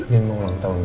gini mau ulang tahun